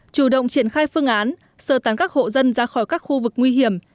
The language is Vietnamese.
chủ động triển khai phương án sơ tán các hộ dân ra khỏi các khu vực nguy hiểm